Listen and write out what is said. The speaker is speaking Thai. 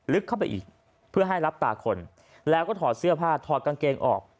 ลึกเข้าไปอีกเพื่อให้รับตาคนแล้วก็ถอดเสื้อผ้าถอดกางเกงออก